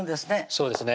そうですね